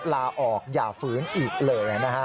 ลาออกอย่าฝืนอีกเลย